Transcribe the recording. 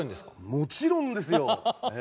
もちろんですよ。